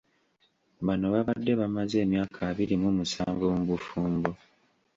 Bano babadde bamaze emyaka abiri mu musanvu mu bufumbo.